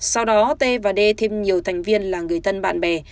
sau đó t và d thêm nhiều thành viên là người thân bạn bè